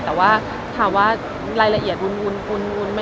แต่ถามว่ารายละเอียดวุ้น